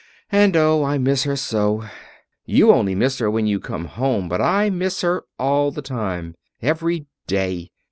And oh! I miss her so. You only miss her when you come home, but I miss her all the time every day!"